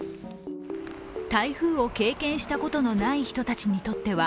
台風を経験したことのない人たちにとっては、